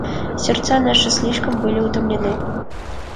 Сердца наши слишком были утомлены.